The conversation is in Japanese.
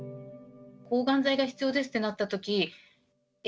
抗がん剤が必要ですってなったとき、え！